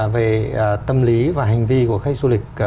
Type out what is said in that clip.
về tâm lý và hành vi của khách du lịch